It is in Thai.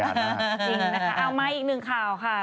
จริงนะคะเอามาอีกหนึ่งข่าวค่ะ